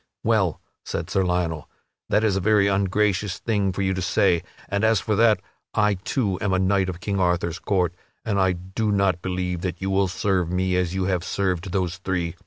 "Well," said Sir Lionel, "that is a very ungracious thing for you to say. And as for that, I too am a knight of King Arthur's court, but I do not believe that you will serve me as you have served those three.